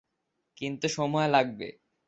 কিন্তু সময় লাগবে।